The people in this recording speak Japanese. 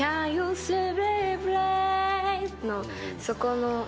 そこの。